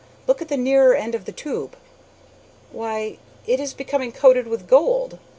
"Look at the nearer end of the tube!" "Why, it is becoming coated with gold!"